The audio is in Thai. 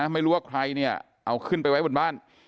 ไม่รู้ว่าใครเนี่ยเอาขึ้นไปไว้บนบ้าน